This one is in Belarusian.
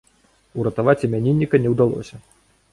Уратаваць імянінніка не ўдалося.